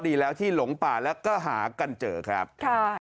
นั่นมันงูเหลือมแล้วนะแต่ดูออก